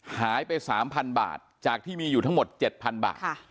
หายไป๓๐๐บาทจากที่มีอยู่ทั้งหมด๗๐๐บาท